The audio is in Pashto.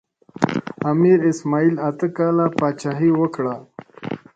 امیر اسماعیل اته کاله پاچاهي وکړه.